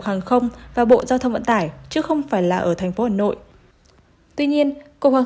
hàng không và bộ giao thông vận tải chứ không phải là ở thành phố hà nội tuy nhiên cục hàng